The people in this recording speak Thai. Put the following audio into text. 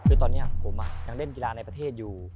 คือตอนนี้ผมยังเล่นกีฬาในประเทศอยู่